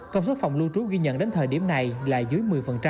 công số phòng lưu trú ghi nhận đến thời điểm này là dưới một mươi